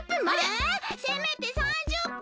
えせめて３０分！